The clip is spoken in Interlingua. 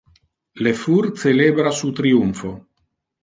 Le fur celebra su triumpho.